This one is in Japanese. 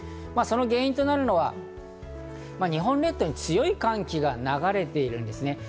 その原因となるのは日本列島に強い寒気が流れているんですね。